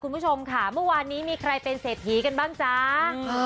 คุณผู้ชมค่ะเมื่อวานนี้มีใครเป็นเศรษฐีกันบ้างจ้า